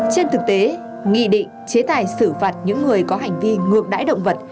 trên thực tế nghị định chế tài xử phạt những người có hành vi ngược đáy động vật